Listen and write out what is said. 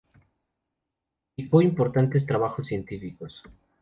Publicó importantes trabajos científicos.